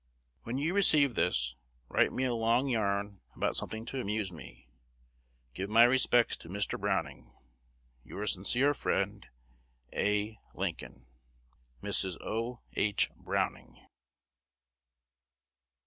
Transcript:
When you receive this, write me a long yarn about something to amuse me. Give my respects to Mr. Browning. Your sincere friend, A. Lincoln, Mrs. O. H. Browning.